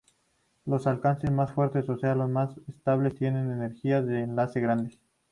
Los enlaces más fuertes, o sea los más estables, tienen energías de enlace grandes.